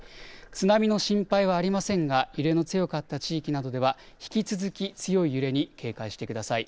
津波の心配はありませんが揺れの強かった地域などでは引き続き強い揺れに警戒してください。